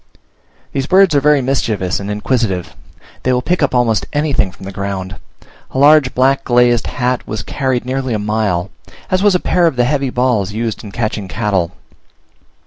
These birds are very mischievous and inquisitive; they will pick up almost anything from the ground; a large black glazed hat was carried nearly a mile, as was a pair of the heavy balls used in catching cattle.